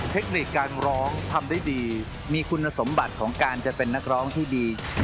เทคนิคการร้องทำได้ดีมีคุณสมบัติของการจะเป็นนักร้องที่ดี